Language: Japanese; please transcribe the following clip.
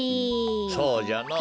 そうじゃのぉ。